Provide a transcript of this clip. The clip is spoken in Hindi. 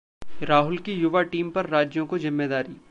राहुल की युवा टीम पर राज्यों की जिम्मेदारी